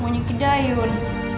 mungkin anakmu itu dayun